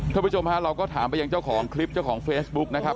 ท่านผู้ชมฮะเราก็ถามไปยังเจ้าของคลิปเจ้าของเฟซบุ๊กนะครับ